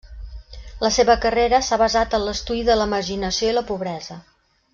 La seva carrera s'ha basat en l'estudi de la marginació i la pobresa.